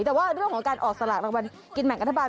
แต่ว่าด้วยเรื่องของการออกสลักรับบันกินหมายกรรธบาล